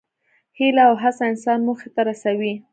هیله او هڅه انسان موخې ته رسوي.